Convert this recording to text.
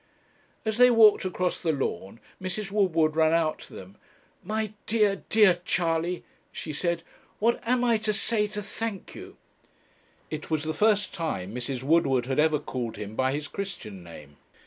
As they walked across the lawn Mrs. Woodward ran out to them. 'My dear, dear Charley,' she said, 'what am I to say to thank you?' It was the first time Mrs. Woodward had ever called him by his Christian name.